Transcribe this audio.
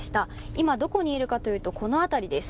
今、どこにいるかというとこの辺りです。